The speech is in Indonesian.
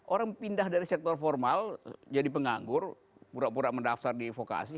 orang pindah dari sektor formal jadi penganggur pura pura mendaftar di vokasi